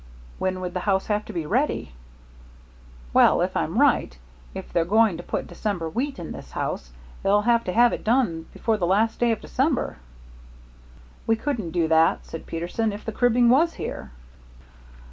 "When would the house have to be ready?" "Well, if I'm right, if they're going to put December wheat in this house, they'll have to have it in before the last day of December." "We couldn't do that," said Peterson, "if the cribbing was here."